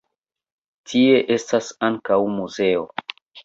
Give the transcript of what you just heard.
Tie estas ankaŭ muzeo.